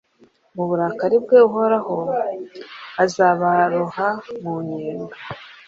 Mu burakari bwe Uhoraho azabaroha mu nyenga